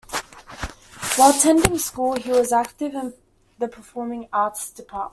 While attending school, she was active in the performing arts department.